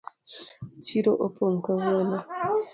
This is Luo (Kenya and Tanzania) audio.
Chiro opong’ kawuono.